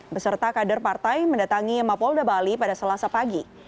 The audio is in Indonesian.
beserta kader partai mendatangi mapolda bali pada selasa pagi